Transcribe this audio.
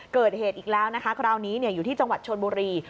เกิดเหตุอีกแล้วนะคะคราวนี้อยู่ที่จังหวัดชนบุรี